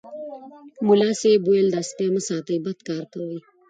ملا صاحب ویل دا سپي مه ساتئ بد کار کوي.